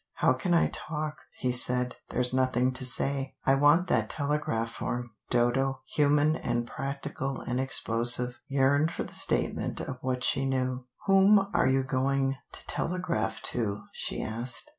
"How can I talk?" he said. "There's nothing to say. I want that telegraph form." Dodo, human and practical and explosive, yearned for the statement of what she knew. "Whom are you going to telegraph to?" she asked.